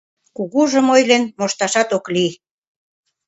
Кугужым ойлен мошташат ок лий.